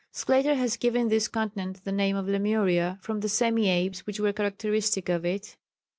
Sclater has given this continent the name of Lemuria, from the semi apes which were characteristic of it.